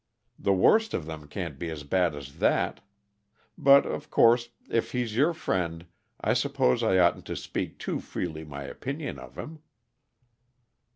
The worst of them can't be as bad as that but, of course, if he's your friend, I suppose I oughtn't to speak too freely my opinion of him!"